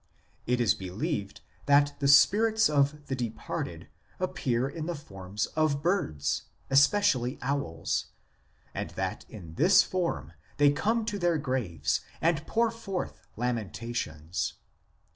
1 It is believed that the spirits of the departed appear in the form of birds, especially owls, and that in this form they come to their graves and pour forth lamen tations.